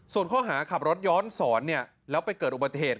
ส่วนข้อหาขับรถย้อนสอนแล้วไปเกิดอุบัติเหตุ